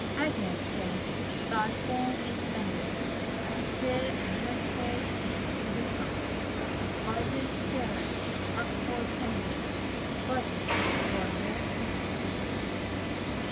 Aged saint, thy form is bending, Sere and withered, to the tomb; But thy spirit, upward tending, Budded for immortal bloom.